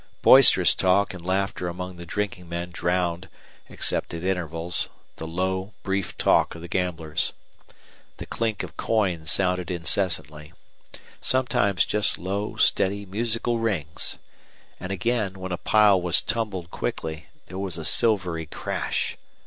Boisterous talk and laughter among the drinking men drowned, except at intervals, the low, brief talk of the gamblers. The clink of coin sounded incessantly; sometimes just low, steady musical rings; and again, when a pile was tumbled quickly, there was a silvery crash.